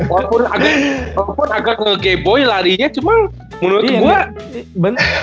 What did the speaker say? walaupun agak ngegepo ya larinya cuman menurut gue